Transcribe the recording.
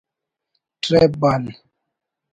ٹریپ بال